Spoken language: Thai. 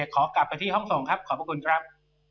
ขอกลับไปที่ห้องส่งครับขอบพระคุณครับ